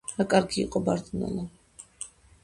რა კარგი იყო ბარდნალა